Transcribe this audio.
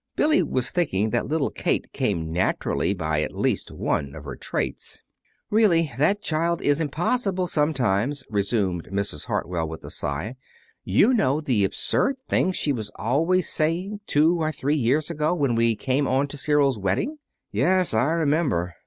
Billy was thinking that little Kate came naturally by at least one of her traits. "Really, that child is impossible, sometimes," resumed Mrs. Hartwell, with a sigh. "You know the absurd things she was always saying two or three years ago, when we came on to Cyril's wedding." "Yes, I remember."